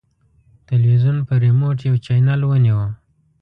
تلویزیون په ریموټ یو چینل ونیو.